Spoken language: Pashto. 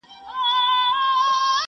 چي پرون وو گاونډی نن میرڅمن سو.!